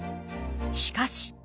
しかし。